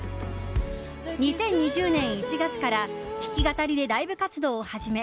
２０２０年１月から弾き語りでライブ活動を始め